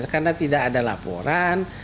karena tidak ada laporan